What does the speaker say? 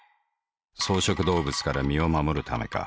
草食動物から身を護るためか。